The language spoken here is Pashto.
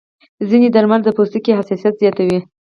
ځینې درمل د پوستکي حساسیت زیاتوي.